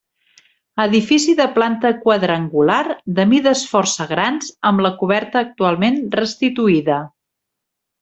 Edifici de planta quadrangular, de mides força grans, amb la coberta actualment restituïda.